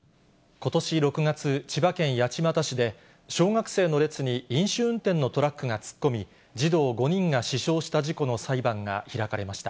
ことし６月、千葉県八街市で、小学生の列に飲酒運転のトラックが突っ込み、児童５人が死傷した事故の裁判が開かれました。